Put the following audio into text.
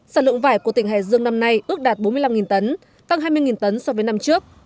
sản lượng vải của tỉnh hải dương năm nay ước đạt bốn mươi năm tấn tăng hai mươi tấn so với năm trước